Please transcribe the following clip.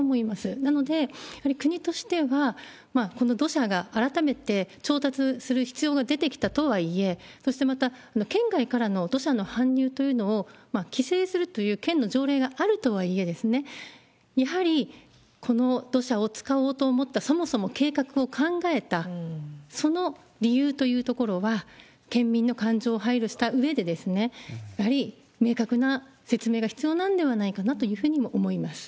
なので、やはり国としては、この土砂が改めて調達する必要が出てきたとはいえ、そしてまた、県外からの土砂の搬入というのを規制するという県の条例があるとはいえですね、やはり、この土砂を使おうと思った、そもそも計画を考えた、その理由というところは、県民の感情を配慮したうえで、やはり明確な説明が必要なんではないかなというふうにも思います。